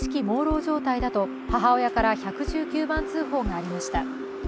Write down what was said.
もうろう状態だと母親から１１９番通報がありました。